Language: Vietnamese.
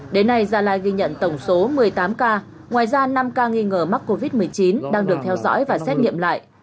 đến nay gia lai ghi nhận tổng số một mươi tám ca ngoài ra năm ca nghi ngờ mắc covid một mươi chín đang được theo dõi và xét nghiệm lại